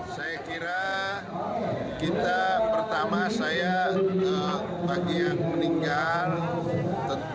saya kira kita pertama saya bagi yang meninggal